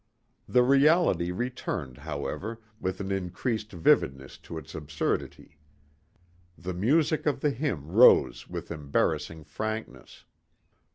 The reality returned, however, with an increased vividness to its absurdity. The music of the hymn rose with embarrassing frankness....